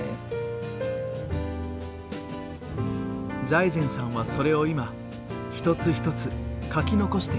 財前さんはそれを今一つ一つ書き残しています。